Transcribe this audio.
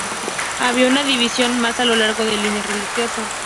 Había una división más a lo largo de líneas religiosas.